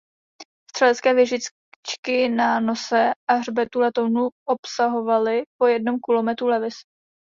Střelecké věžičky na nose a hřbetu letounu obsahovaly po jednom kulometu Lewis.